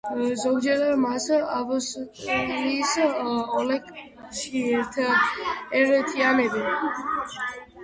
ზოგჯერ მას ავსტრალიის ოლქში აერთიანებენ.